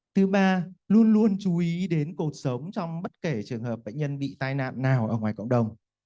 thứ ba luôn luôn chú ý đến cuộc sống trong bất kể trường hợp bệnh nhân bị tai nạn nào ở ngoài cộng đồng